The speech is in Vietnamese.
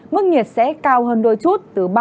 mức nhiệt sẽ cao hơn đôi chút